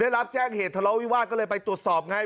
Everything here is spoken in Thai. ได้รับแจ้งเหตุศัลย์วิวาร์เลยไปตรวจสอบไง